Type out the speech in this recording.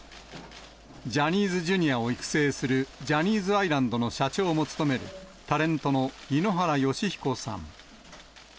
ジャニーズＪｒ．を育成するジャニーズアイランドの社長も務めるタレントの井ノ原快彦さん。